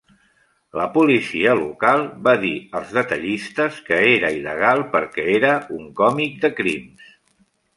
La policia local va dir als detallistes que era il·legal per què era un "còmic de crims".